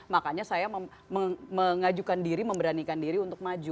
makanya saya mengajukan diri memberanikan diri untuk maju